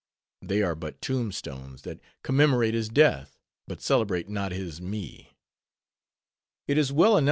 They are but tomb stones, that commemorate his death, but celebrate not his life.